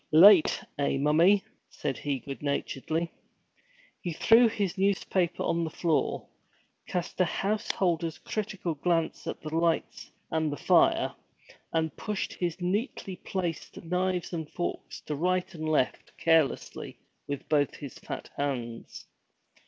'Late, eh, mommie?' said he, good naturedly. He threw his newspaper on the floor, cast a householder's critical glance at the lights and the fire, and pushed his neatly placed knives and forks to right and left carelessly with both his fat hands.